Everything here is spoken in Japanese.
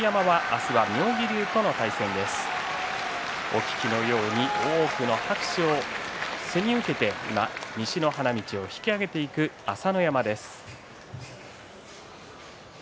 お聞きのように大きな拍手を背に受けて西の花道を引き揚げていく朝乃山です。